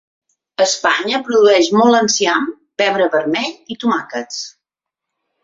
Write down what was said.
Espanya produeix molt enciam, pebre vermell i tomàquets.